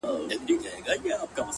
• هر غښتلی چي کمزوری سي نو مړ سي ,